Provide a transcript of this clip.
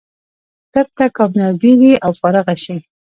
طب ته کامیابېږي او فارغه شي.